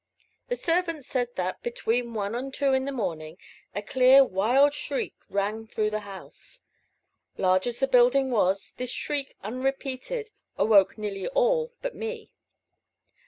The servants said that, between one and two in the morning, a clear, wild shriek rang through the house. Large as the building was, this shriek unrepeated awoke nearly all but me.